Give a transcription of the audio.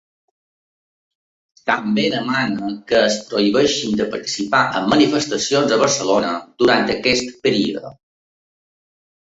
També demana que els prohibeixin de participar en manifestacions a Barcelona durant aquest període.